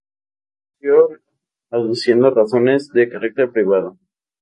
Renunció aduciendo razones de carácter privado.